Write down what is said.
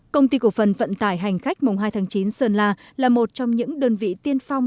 công ty cổ phần vận tải hành khách mùng hai tháng chín sơn la là một trong những đơn vị tiên phong